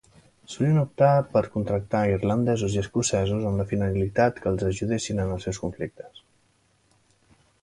Solien optar per contractar a irlandesos i escocesos amb la finalitat que els ajudessin en els seus conflictes.